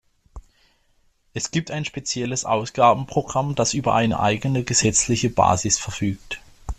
Es gibt ein spezielles Ausgabenprogramm, das über eine eigene gesetzliche Basis verfügt.